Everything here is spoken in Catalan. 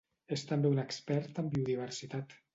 És també un expert en biodiversitat.